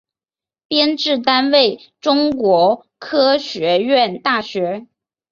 编制单位中国科学院大学